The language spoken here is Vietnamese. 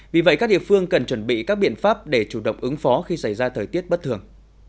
vì vậy các địa phương cần chuẩn bị các biện pháp để chủ động ứng phó khi xảy ra thời tiết bất thường